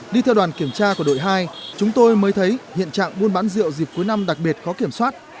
đi theo đoàn kiểm tra của đội hai chúng tôi mới thấy hiện trạng buôn bán rượu dịp cuối năm đặc biệt khó kiểm soát